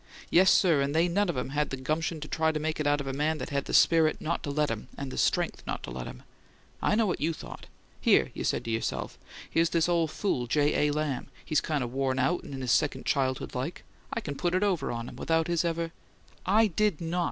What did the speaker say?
Yes, sir, and they none of them had the little gumption to try to make it out of a man that had the spirit not to let 'em, and the STRENGTH not to let 'em! I know what you thought. 'Here,' you said to yourself, 'here's this ole fool J. A. Lamb; he's kind of worn out and in his second childhood like; I can put it over on him, without his ever '" "I did not!"